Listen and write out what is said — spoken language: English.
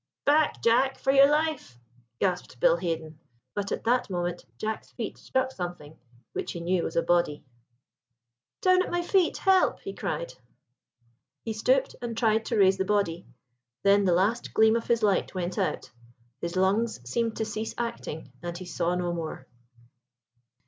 "Back, Jack, for your life!" gasped Bill Haden; but at that moment Jack's feet struck something, which he knew was a body. "Down at my feet; help!" he cried. He stooped and tried to raise the body. Then the last gleam of his light went out—his lungs seemed to cease acting, and he saw no more.